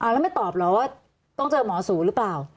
แล้วไม่ตอบเหรอว่าต้องเจอหมอสูหรือเปล่า